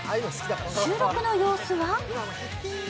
収録の様子は？